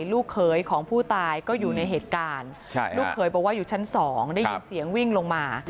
ลูกเขยของผู้ตายก็อยู่ในเหตุการณ์ลูกเขยบอกว่าอยู่ชั้น๒ได้ยินเสียงวิ่งลงมา